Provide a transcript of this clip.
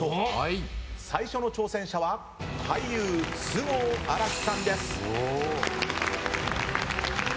最初の挑戦者は俳優菅生新樹さんです。